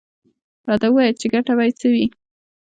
_راته ووايه چې ګټه به يې څه وي؟